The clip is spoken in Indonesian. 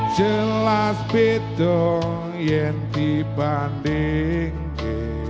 jelas bidung yang dibandingki